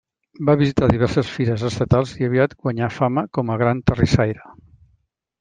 Va visitar diverses fires estatals i aviat guanyà fama com a gran terrissaire.